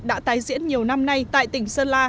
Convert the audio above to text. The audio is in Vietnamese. đã tái diễn nhiều năm nay tại tỉnh sơn la